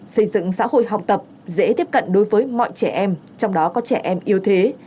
xây dựng xã hội học tập dễ tiếp cận đối với mọi trẻ em trong đó có trẻ em yêu thế